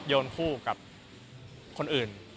โยนคู่กับคนอื่น